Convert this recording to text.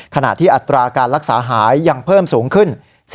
ขณะที่อัตราการรักษาหายยังเพิ่มสูงขึ้น